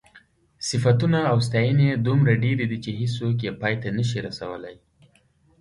صفتونه او ستاینې یې دومره ډېرې دي چې هېڅوک یې پای ته نشي رسولی.